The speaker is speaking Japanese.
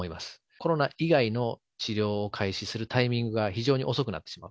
コロナ以外の治療を開始するタイミングが非常に遅くなってしまう。